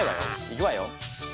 行くわよ。